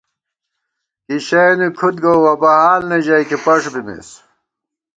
کِی شَیَنی کھُد گووُوَہ بہ حال نہ ژَئیکی پݭ بِمېس